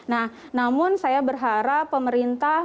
nah namun saya berharap pemerintah